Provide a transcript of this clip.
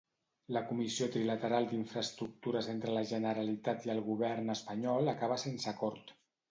La comissió trilateral d'infraestructures entre la Generalitat i el govern espanyol acaba sense acord.